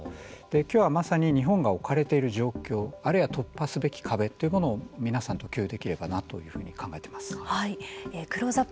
きょうはまさに日本が置かれている状況あるいは突破すべき壁というものを皆さんと共有できればなとクローズアップ